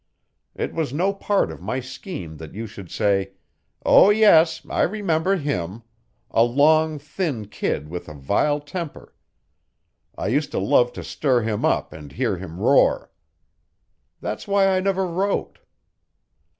It was no part of my scheme that you should say, 'Oh, yes, I remember him. A long, thin kid with a vile temper. I used to love to stir him up and hear him roar.' That's why I never wrote."